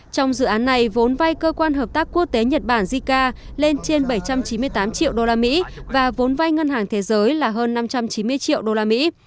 trong dự án này vốn vai cơ quan hợp tác quốc tế nhật bản zika lên trên bảy trăm chín mươi tám triệu usd và vốn vai ngân hàng thế giới là hơn năm trăm chín mươi triệu usd